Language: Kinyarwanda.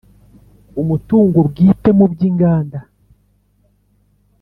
umutungo bwite mu by inganda